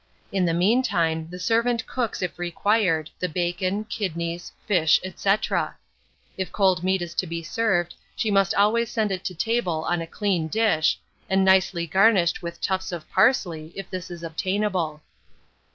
In the mean time the servant cooks, if required, the bacon, kidneys, fish, &c. if cold meat is to be served, she must always send it to table on a clean dish, and nicely garnished with tufts of parsley, if this is obtainable.